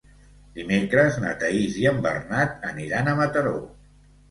Dimecres na Thaís i en Bernat aniran a Mataró.